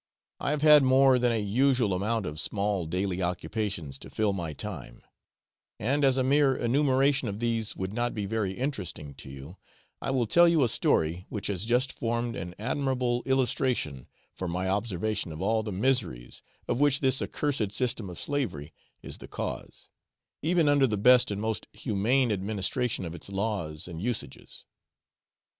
I have had more than a usual amount of small daily occupations to fill my time; and, as a mere enumeration of these would not be very interesting to you, I will tell you a story which has just formed an admirable illustration for my observation of all the miseries of which this accursed system of slavery is the cause, even under the best and most humane administration of its laws and usages.